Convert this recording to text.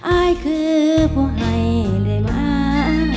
อายคือผู้ให้เลยมา